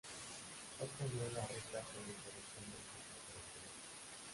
Otra nueva regla fue la introducción de los equipos regionales.